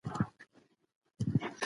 لوستې نجونې د ټولنې ستونزې يوځای حل پالي.